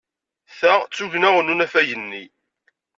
Ta d tugna n unafag-nni.